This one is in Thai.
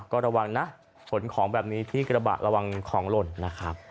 ก็ระวังนะขนของแบบนี้ที่กระบะระวังของหล่นนะครับ